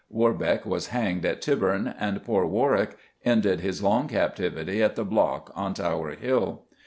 Warbeck was hanged at Tyburn, and poor Warwick ended his long captivity at the block on Tower Hill.